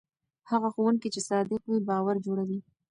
هغه ښوونکی چې صادق وي باور جوړوي.